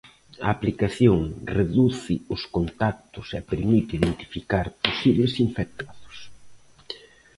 A aplicación reduce os contactos e permite identificar posibles infectados.